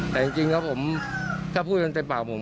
แต่จริงแล้วผมถ้าพูดกันเต็มปากผม